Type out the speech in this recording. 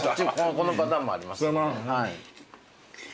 このパターンもあります。